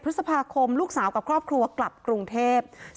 พฤษภาคมลูกสาวกับครอบครัวกลับกรุงเทพฯ